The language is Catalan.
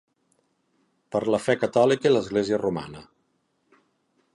Per la fe catòlica i l'Església Romana!